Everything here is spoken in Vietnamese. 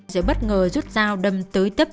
sẽ bất ngờ rút dao đâm tới tấp